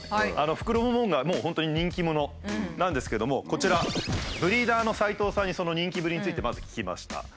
フクロモモンガはもう本当に人気者なんですけどもこちらブリーダーの齊藤さんにその人気ぶりについてまず聞きました。